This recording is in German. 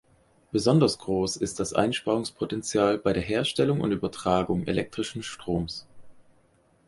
Besonders groß ist das Einsparungspotenzial bei der Herstellung und Übertragung elektrischen Stroms.